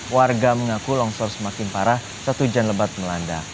warga mengaku longsor semakin parah saat hujan lebat melanda